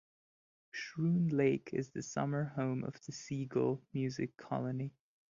Schroon Lake is the summer home of the Seagle Music Colony.